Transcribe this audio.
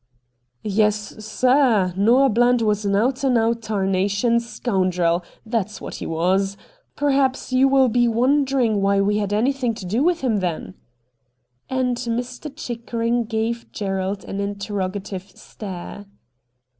' Yes, sir, Xoah Bland was an out and out tarnation scoundrel, that's what he was. Pei' haps you will be wondering why we liad anything to do with him then? ' And Mr. Chickering gave Gerald an interro gative stare.